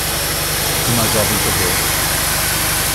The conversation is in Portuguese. uma jovem correu